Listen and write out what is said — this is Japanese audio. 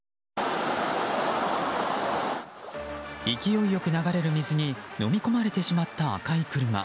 勢いよく流れる水にのみ込まれてしまった赤い車。